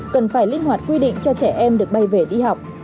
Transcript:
cần phải linh hoạt quy định cho trẻ em được bay về đi học